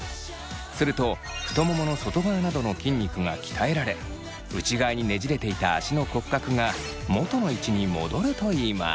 すると太ももの外側などの筋肉が鍛えられ内側にねじれていた足の骨格が元の位置に戻るといいます。